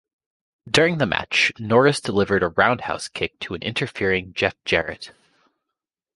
During the match, Norris delivered a roundhouse kick to an interfering Jeff Jarrett.